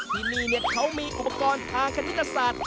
ที่นี่เขามีอุปกรณ์ทางคณิตศาสตร์